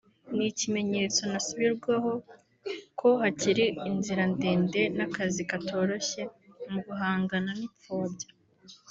ni ikimenyetso ntasubirwaho ko hakiri inzira ndende n’akazi katoroshye mu guhangana n’ipfobya